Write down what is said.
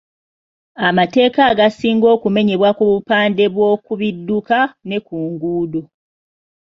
Amateeka agasinga okumenyebwa ku bupande bw’oku bidduka ne ku nguudo.